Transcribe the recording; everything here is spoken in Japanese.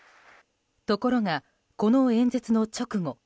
ところが、この演説の直後